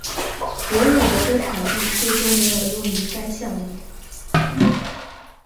伯伍德的场地最终没有用于该项目。